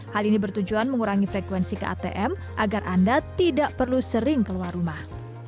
hal ini bertujuan mengurangi frekuensi ke atm agar anda tidak perlu sering keluar rumah